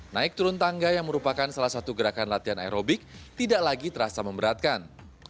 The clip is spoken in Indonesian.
naik turun tangga yang merupakan salah satu gerakan latihan aerobik tidak lagi terasa memberatkan